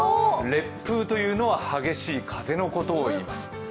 烈風というのは激しい風のことをいいます。